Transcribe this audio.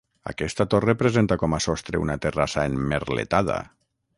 Aquesta torre presenta com a sostre una terrassa emmerletada.